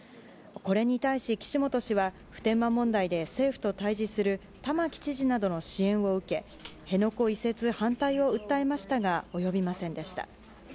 これに対し岸本氏は普天間問題で政府と対峙する玉城知事などの支援を受け辺野古移設反対を訴えましたが及びませんでした。